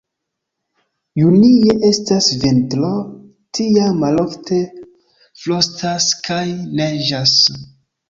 Junie estas vintro, tiam malofte frostas kaj neĝas.